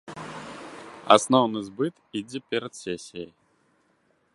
Асноўны збыт ідзе перад сесіяй.